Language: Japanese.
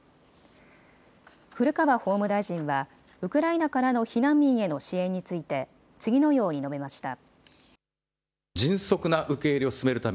古川法務大臣はウクライナからの避難民への支援について次のように述べました。